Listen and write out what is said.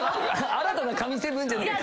新たな神７じゃ。